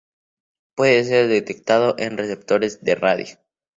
Puede ser detectado en receptores de radio.